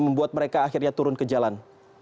membuat mereka akhirnya turun ke jalan